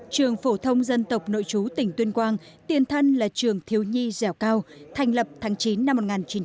trường phổ thông dân tộc nội chú tỉnh tuyên quang tiền thân là trường thiếu nhi dẻo cao thành lập tháng chín năm một nghìn chín trăm bảy mươi